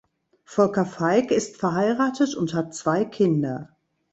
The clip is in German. Volker Feick ist verheiratet und hat zwei Kinder.